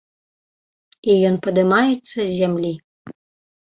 І ён падымаецца з зямлі.